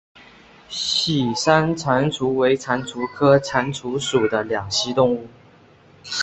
喜山蟾蜍为蟾蜍科蟾蜍属的两栖动物。